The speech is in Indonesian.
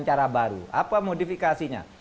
cara baru apa modifikasinya